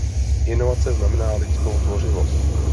Inovace znamená lidskou tvořivost.